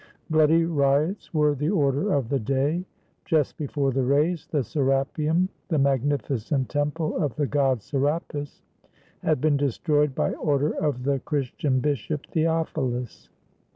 Bloody riots were the order of the day. Just before the race, the Serapeum, the magnificent temple of the god Serapis, had been destroyed by order of the Chris tian bishop Theophilus.